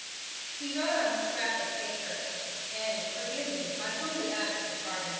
He wrote on a scrap of paper, "Annie, forgive me. I humbly ask your pardon.